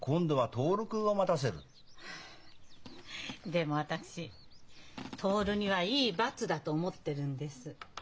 でも私徹にはいい罰だと思ってるんです。